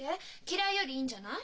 「嫌い」よりいいんじゃない？